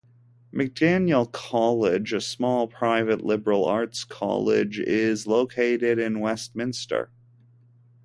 McDaniel College, a small private liberal arts college, is located in Westminster.